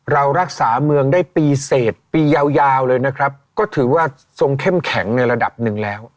เรารักษาเมืองได้ปีเสร็จปียาวเลยนะครับก็ถือว่าทรงเข้มแข็งในระดับหนึ่งแล้ว